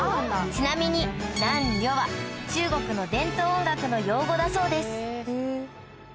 ちなみに南呂は中国の伝統音楽の用語だそうです